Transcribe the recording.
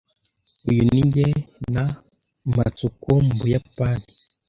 Uyu ni njye na Matsuko mu Buyapani.